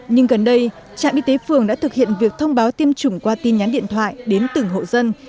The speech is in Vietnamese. nhưng gần đây trạm y tế phường đã thực hiện việc thông báo tiêm chủng qua tin nhắn điện thoại đến từng hộ dân